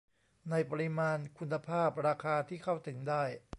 ในปริมาณ คุณภาพ ราคาที่เข้าถึงได้